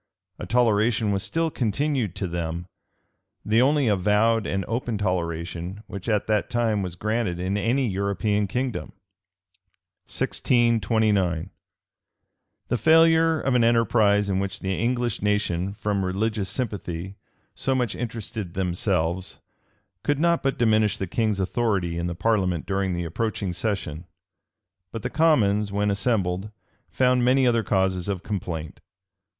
A toleration was still continued to them; the only avowed and open toleration which at that time was granted in any European kingdom. {1629.} The failure of an enterprise in which the English nation, from religious sympathy, so much interested themselves, could not but diminish the king's authority in the parliament during the approaching session: but the commons, when assembled, found many other causes of complaint.